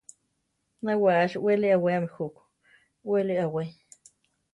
Na wáasi wéli aweami juku; weri awé.